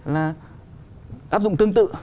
là áp dụng tương tự